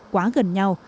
quá gần nhau